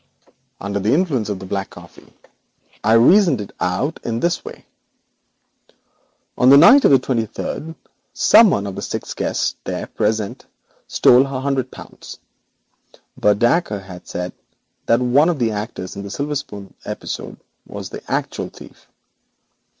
Under the influence of the black coffee I reasoned it out in this way. On the night of the twenty third one of the six guests there present stole a hundred pounds, but Dacre had said that an actor in the silver spoon episode was the actual thief.